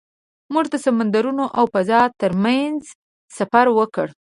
موږ د سمندرونو او فضا تر منځ سفر وکړ.